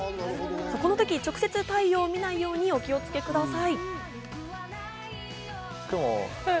その時、直接、太陽を見ないように、お気をつけください。